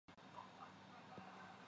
压延是金属加工中最常用的手段。